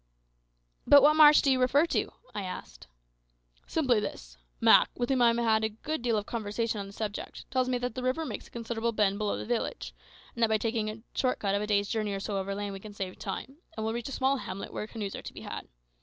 "But what march do you refer to?" I asked. "Simply this. Mak, with whom I have had a good deal of conversation on the subject, tells me that the river makes a considerable bend below this village, and that by taking a short cut of a day's journey or so over land we can save time, and will reach a small hamlet where canoes are to be had.